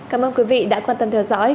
cảm ơn quý vị đã quan tâm theo dõi